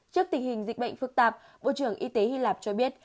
trước tình hình dịch bệnh phức tạp bộ trưởng y tế hy lạp cho biết